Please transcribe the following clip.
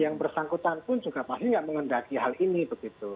yang bersangkutan pun juga pasti nggak mengendaki hal ini begitu